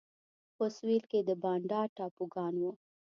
په سوېل کې د بانډا ټاپوګان وو.